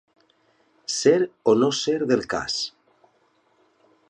Ser o no ser del cas.